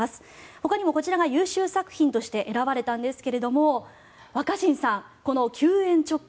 ほかにもこちらが優秀作品として選ばれたんですが若新さん、この「急円超下」